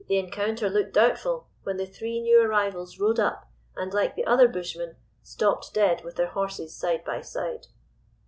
"The encounter looked doubtful, when the three new arrivals rode up, and, like the other bushmen, stopped dead, with their horses side by side.